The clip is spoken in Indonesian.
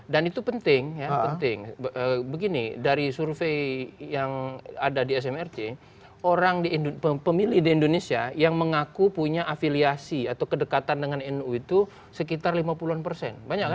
dan itu penting ya penting begini dari survei yang ada di smrc orang pemilih di indonesia yang mengaku punya afiliasi atau kedekatan dengan nu itu sekitar lima puluh an persen banyak kan